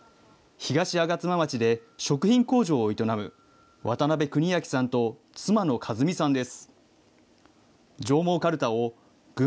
東吾妻町で食品工場を営む、渡邊邦明さんと妻の和実さんです。